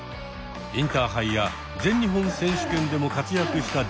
インターハイや全日本選手権でも活躍した実力者です。